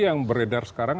yang beredar sekarang